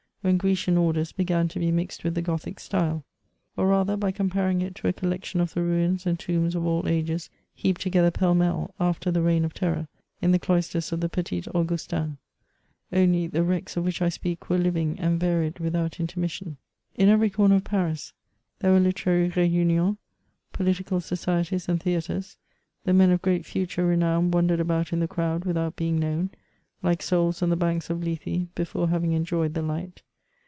when Grecian orders began to be mixed with the Gothic style, or rather, by comparing it to a collection of the ruins and tombs of all ages heaped together pell mell, after the reign of terror, in the cloisters of the Petits Augustins ; only, the wrecks of which I speak were living and varied without intermis sion. In every corner of Paris there were literary reunions, political societies and theatres ; the men of great future renown wandered about in the crowd without being known, like souls on the banks of Lethe before having enjoyed the light.